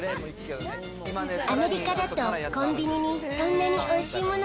アメリカだとコンビニにそんなにおいしいもの